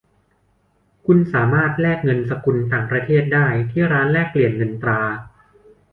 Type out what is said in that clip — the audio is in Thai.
คุณสามารถแลกเงินสกุลต่างประเทศได้ที่ร้านแลกเปลี่ยนเงินตรา